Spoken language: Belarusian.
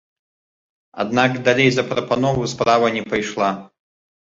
Аднак далей за прапанову справа не пайшла.